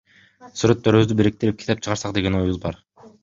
Сүрөттөрүбүздү бириктирип, китеп чыгарсак деген оюбуз бар.